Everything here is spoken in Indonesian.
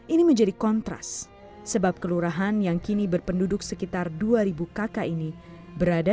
ini menjadi kontras sebab kelurahan yang kini berpenduduk sekitar dua ribu kakak ini berada